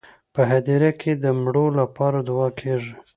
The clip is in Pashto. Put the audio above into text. په هدیره کې د مړو لپاره دعا کیږي.